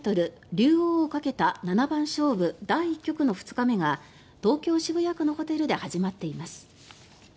竜王をかけた七番勝負第１局の２日目が東京・渋谷区のホテルで始まっています。